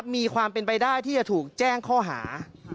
มีความเป็นไปได้ที่จะถูกแจ้งข้อหา